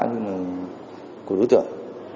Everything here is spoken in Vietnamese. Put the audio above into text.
nhưng mà của đối tượng